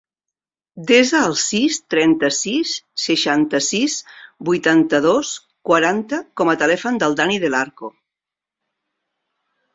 Desa el sis, trenta-sis, seixanta-sis, vuitanta-dos, quaranta com a telèfon del Dani Del Arco.